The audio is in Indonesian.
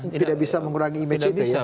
tidak bisa mengurangi image ini ya